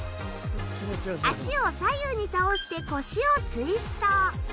足を左右に倒して腰をツイスト。